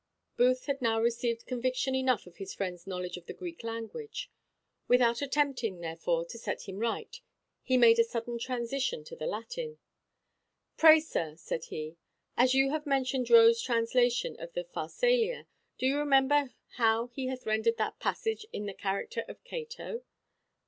Booth had now received conviction enough of his friend's knowledge of the Greek language; without attempting, therefore, to set him right, he made a sudden transition to the Latin. "Pray, sir," said he, "as you have mentioned Rowe's translation of the Pharsalia, do you remember how he hath rendered that passage in the character of Cato?